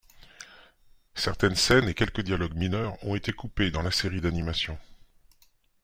Certaines scènes et quelques dialogues mineurs ont été coupés dans la série d'animation.